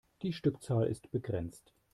Die Stückzahl ist begrenzt.